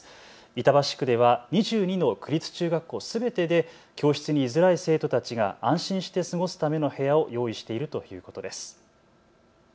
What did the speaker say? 板橋区では２２の区立中学校すべてで教室に居づらい生徒たちが安心して過ごすための部屋を用意しているということです。